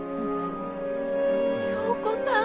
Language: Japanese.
涼子さん